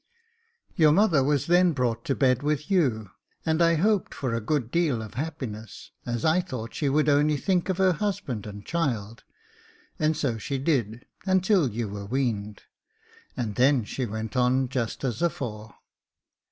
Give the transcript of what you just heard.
Your mother was then brought to bed with you, and I hoped for a good deal of happiness, as I thought she would only think of her husband and child ; and so she did until you were weaned, and then she went on just as afore.